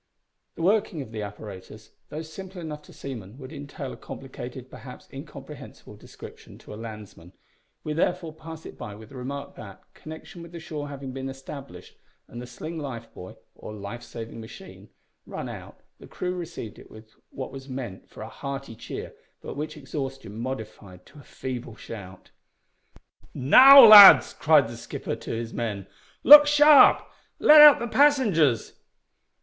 The working of the apparatus, though simple enough to seamen, would entail a complicated, perhaps incomprehensible, description to landsmen: we therefore pass it by with the remark that, connection with the shore having been established, and the sling lifebuoy or life saving machine run out, the crew received it with what was meant for a hearty cheer, but which exhaustion modified to a feeble shout. "Now, lads," cried the skipper to his men, "look sharp! Let out the passengers."